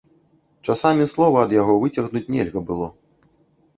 Часамі слова ад яго выцягнуць нельга было.